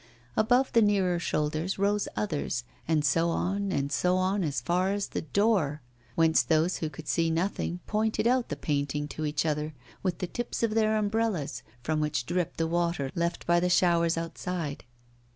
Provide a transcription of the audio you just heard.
Above the nearer shoulders rose others, and so on and so on as far as the door, whence those who could see nothing pointed out the painting to each other with the tips of their umbrellas, from which dripped the water left by the showers outside.